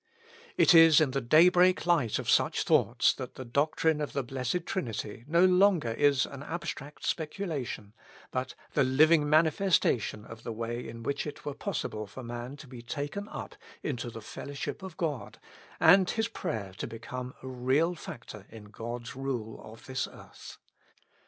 It is in the daybreak light of such thoughts that the doctrine of the Blessed Trinity no longer is an ab stract speculation, but the living manifestation of the way in which it were possible for man to be taken up into the fellowship of God, and his prayer to become a real factor in God's rule of this earth.